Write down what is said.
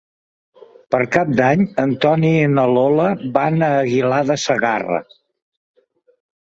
Per Cap d'Any en Tom i na Lola van a Aguilar de Segarra.